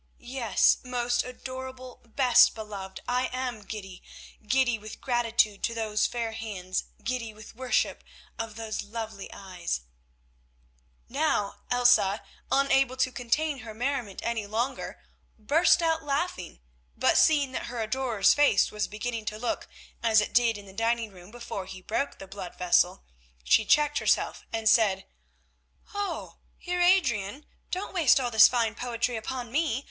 "Yes, most adorable, best beloved, I am giddy, giddy with gratitude to those fair hands, giddy with worship of those lovely eyes——" Now Elsa, unable to contain her merriment any longer, burst out laughing, but seeing that her adorer's face was beginning to look as it did in the dining room before he broke the blood vessel, she checked herself, and said: "Oh! Heer Adrian, don't waste all this fine poetry upon me.